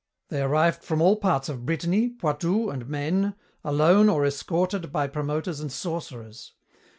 They arrived from all parts of Brittany, Poitou, and Maine, alone or escorted by promoters and sorcerers.